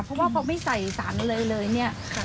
เพราะว่าพอไม่ใส่สารอะไรเลยเนี่ย